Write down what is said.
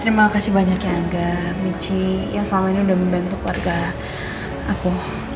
terima kasih banyak ya angga michi yang selama ini udah membantu warga aku